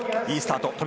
いいスタート。